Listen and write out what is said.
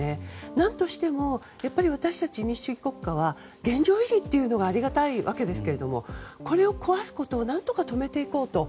何としても私たち民主主義国家は現状維持がありがたいわけですがこれを壊すことを何とか止めていこうと。